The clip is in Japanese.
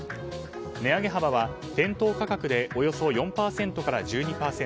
値上げ幅は店頭価格でおよそ４％から１２％